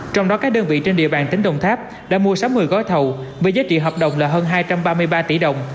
trong đó các đơn vị trên địa bàn tỉnh đồng tháp đã mua sáu mươi gói thầu với giá trị hợp đồng là hơn hai trăm ba mươi ba tỷ đồng